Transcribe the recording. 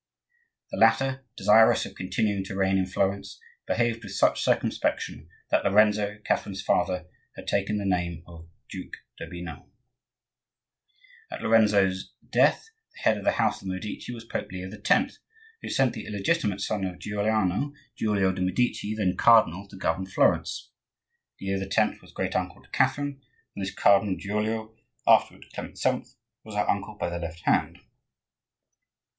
The latter, desirous of continuing to reign in Florence, behaved with such circumspection that Lorenzo, Catherine's father, had taken the name of Duke d'Urbino. At Lorenzo's death, the head of the house of the Medici was Pope Leo X., who sent the illegitimate son of Giuliano, Giulio de' Medici, then cardinal, to govern Florence. Leo X. was great uncle to Catherine, and this Cardinal Giulio, afterward Clement VII., was her uncle by the left hand.